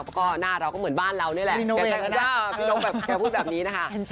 เพราะหน้าเราก็เหมือนบ้านเรานี่แหละแกพูดแบบนี้นะคะ